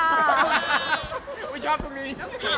ไม่ชอบตรงนี้